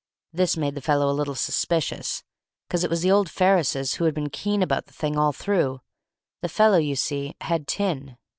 This made the fellow a little suspicious, 'cos it was the old Ferrises who had been keen about the thing all through: the fellow, you see, had tin."